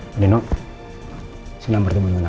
pak nino senang bertemu dengan anda